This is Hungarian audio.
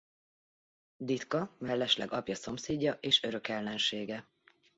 Ditka mellesleg apja szomszédja és örök ellensége.